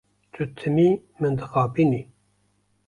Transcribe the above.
Tu timî min dixapînî.